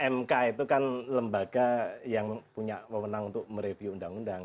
mk itu kan lembaga yang punya pemenang untuk mereview undang undang